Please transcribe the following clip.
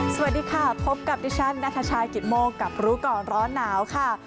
สวัสดีค่ะพบกับดิฉันนัทชายกิตโมกับรู้ก่อนร้อนหนาวค่ะ